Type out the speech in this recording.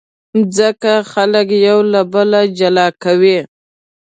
مځکه خلک یو له بله جلا کوي.